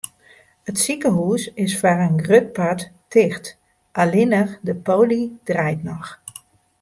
It sikehûs is foar in grut part ticht, allinnich de poly draait noch.